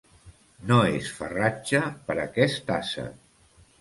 No es farratge per aquest ase.